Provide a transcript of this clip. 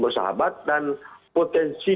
bersahabat dan potensi